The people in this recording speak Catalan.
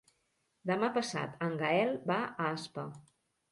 Demà passat en Gaël va a Aspa.